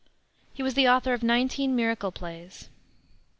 He was the author of nineteen miracle plays.